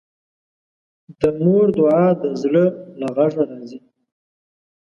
د مور دعا د زړه له غږه راځي